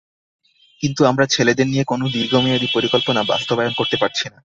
কিন্তু আমরা ছেলেদের নিয়ে কোনো দীর্ঘমেয়াদি পরিকল্পনা বাস্তবায়ন করতে পারছি না।